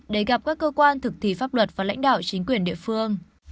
để gặp các cơ quan thực thi pháp luật và lãnh đạo chính quyền địa phương